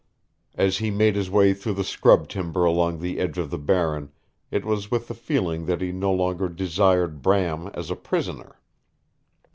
As he made his way through the scrub timber along the edge of the Barren it was with the feeling that he no longer desired Bram as a prisoner.